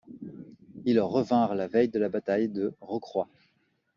Ils revinrent la veille de la bataille de Rocroi.